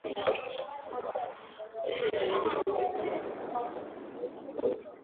hali ya hewa Marekebisho haya yanatengenezwa